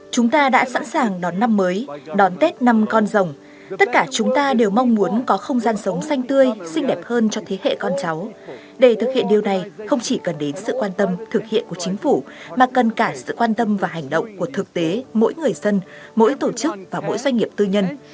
chúng ta đã sẵn sàng đón năm mới đón tết năm con rồng tất cả chúng ta đều mong muốn có không gian sống xanh tươi xinh đẹp hơn cho thế hệ con cháu để thực hiện điều này không chỉ cần đến sự quan tâm thực hiện của chính phủ mà cần cả sự quan tâm và hành động của thực tế mỗi người dân mỗi tổ chức và mỗi doanh nghiệp tư nhân